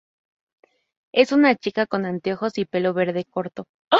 Es una chica con anteojos y pelo verde corto.